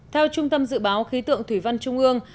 theo trung tâm dự báo khí tượng thủy văn trung ương